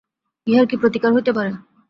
ইহার কী প্রতীকার হইতে পারে!